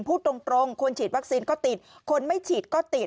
พูดตรงคนฉีดวัคซีนก็ติดคนไม่ฉีดก็ติด